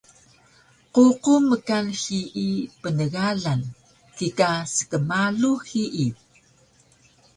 Qeuqu mkan hiyi pnegalang kika skmalu hiyi